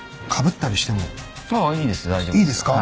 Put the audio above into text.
いいですか？